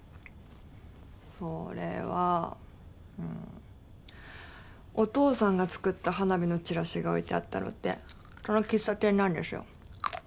それはお父さんが作った花火のチラシが置いてあったのってその喫茶店なんですよ。